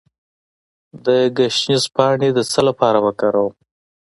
د ګشنیز پاڼې د څه لپاره وکاروم؟